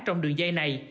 trong đường dây này